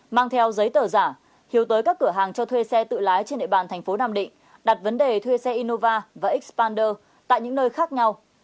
mang theo giấy tờ giả hiếu tới các cửa hàng cho thuê xe tự lái trên địa bàn thành phố nam định đặt vấn đề thuê xe innova và expander tại những nơi khác nhau